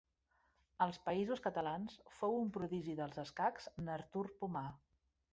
Als Països Catalans, fou un prodigi dels escacs n'Artur Pomar.